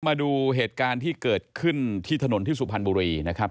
มาดูเหตุการณ์ที่เกิดขึ้นที่ถนนที่สุพรรณบุรีนะครับ